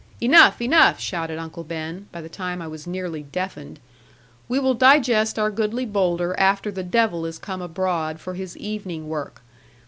'Enough, enough!' shouted Uncle Ben by the time I was nearly deafened; 'we will digest our goodly boulder after the devil is come abroad for his evening work.